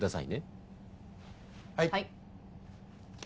はい！